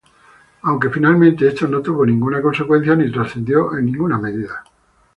Aunque finalmente esto no tuvo ninguna consecuencia ni trascendió en ninguna medida.